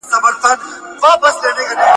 ځيني غصې څه وخت وروسته بي اثره کيږي.